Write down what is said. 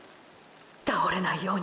倒れないように！！